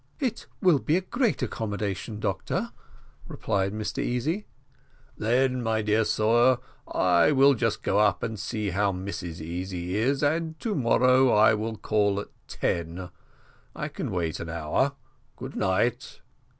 "It will be a great accommodation, doctor," replied Mr Easy. "Then, my dear sir, I will just go up and see how Mrs Easy is, and to morrow I will call at ten. I can wait an hour. Good night."